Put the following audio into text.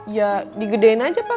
ya digedein aja pak